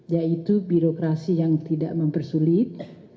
yaitu birokrasi yang tidak mempersulit